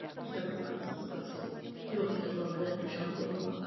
Od té doby na zámku žili pouze úředníci.